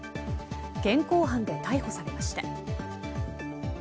現行犯で逮捕されました。